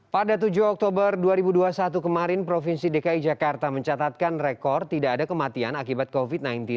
pada tujuh oktober dua ribu dua puluh satu kemarin provinsi dki jakarta mencatatkan rekor tidak ada kematian akibat covid sembilan belas